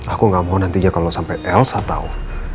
aku gak mau nantinya kalau sampai elsa tau